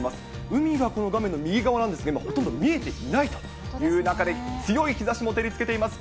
海がこの画面の右側なんですが、今ほとんど見えていないという中で、強い日ざしも照りつけています。